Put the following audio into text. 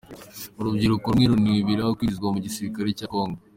Urubyiruko rumwe rurinubira kwinjizwa mu gisirikare cya Congo